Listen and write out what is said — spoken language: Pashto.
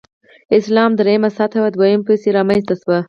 اسلام درېمه سطح دویمې پسې رامنځته شوه.